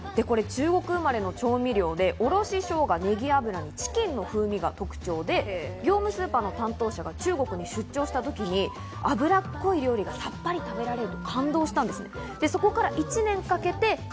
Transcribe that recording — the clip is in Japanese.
中国生まれの調味料でおろししょうが、ネギ油、チキンの風味が特徴で、業務スーパーの担当者が中国に出張した時に油っぽい料理をさっぱり食べられる。